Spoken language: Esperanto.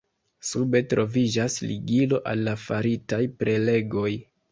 Sube troviĝas ligilo al la faritaj prelegoj.